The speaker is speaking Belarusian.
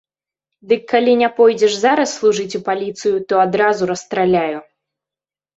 Дык калі не пойдзеш зараз служыць у паліцыю, то адразу расстраляю.